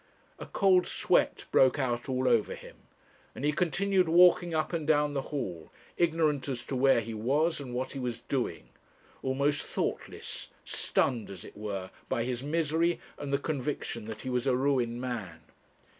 A cold sweat broke out all over him, and he continued walking up and down the hall, ignorant as to where he was and what he was doing, almost thoughtless, stunned, as it were, by his misery and the conviction that he was a ruined man.